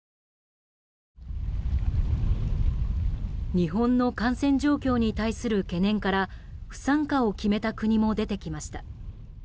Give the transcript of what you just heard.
日本の感染状況に対する懸念から不参加を決めた国も出てきました。